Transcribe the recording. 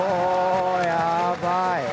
やばい。